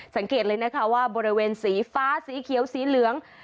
สังเกตเลยนะคะว่าบริเวณสีฟ้าสีเขียวสีเหลือง